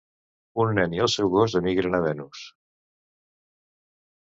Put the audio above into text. Un nen i el seu gos emigren a Venus.